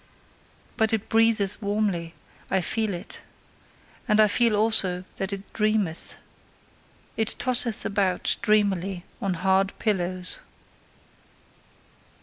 But it breatheth warmly I feel it. And I feel also that it dreameth. It tosseth about dreamily on hard pillows.